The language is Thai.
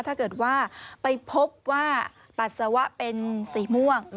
ถ้าเกิดว่าไปพบว่าปัสสาวะเป็นสีม่วง